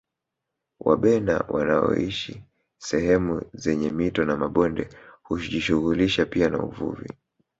Wabena wanaoshi sehemu zenye mito na mabonde hujishughulisha pia na uvuvi